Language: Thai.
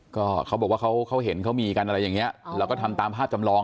ก็เขาบอกว่าเขาเห็นเขามีกันอะไรอย่างเงี้ยแล้วก็ทำตามภาพจำลอง